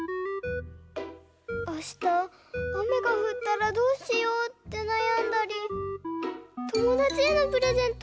あしたあめがふったらどうしようってなやんだりともだちへのプレゼント